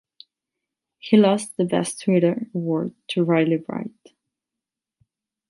He lost the Best Twitter award to Riley Reid.